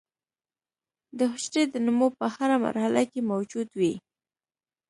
د حجرې د نمو په هره مرحله کې موجود وي.